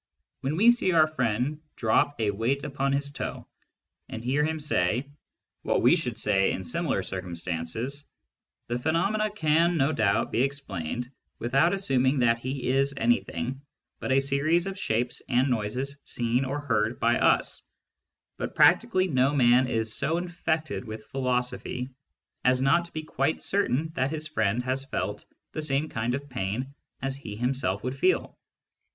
When we see our friend drop a weight upon his toe, and hear him say — ^what we should say in similar circumstances, the phenomena can no doubt be explained without assuming that he is anything but a series of shapes and noises seen and heard by us, but practically no man is so infected with philosophy as not to be quite certain that hi5 friend has felt the same kind of pain as he himself would feel.